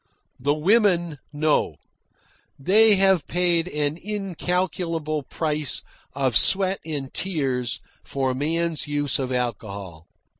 The women know. They have paid an incalculable price of sweat and tears for man's use of alcohol.